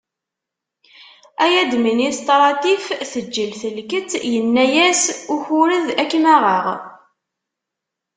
Ay administratif teǧǧel telkett yenaya-s ukured akem aɣeɣ.